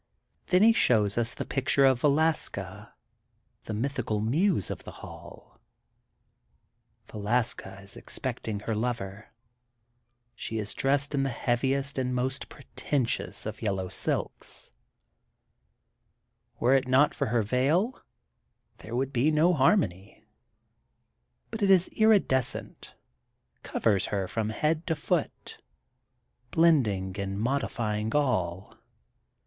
Then he shows us the picture of Velaska, the mythical muse of the HalL Velaska is expecting her lover. She is dressed in the heaviest and most pretentious of yellow silks; were it not for her veil, there would be no harmony. But it is iridescent, covers her from head to foot, blending and modifying all.